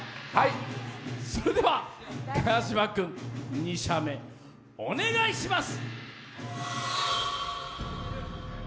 それでは川島君、２射目、お願いします！